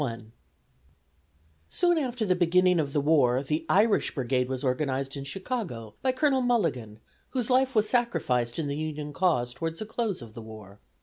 ] Soon after the beginning of the war the "Irish Brigade" was organized in Chicago by Colonel Mulligan, whose life was sacrificed in the Union cause towards the close of the war.